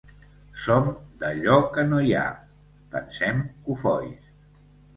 “Som d’allò que no hi ha!”, pensem, cofois.